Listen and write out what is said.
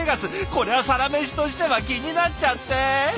これは「サラメシ」としては気になっちゃって！